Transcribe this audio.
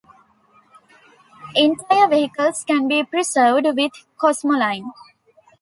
Entire vehicles can be preserved with cosmoline.